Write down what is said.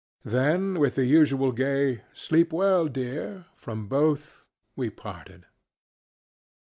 Then with the usual gay ŌĆ£Sleep well, dear! ŌĆØ from both, we parted.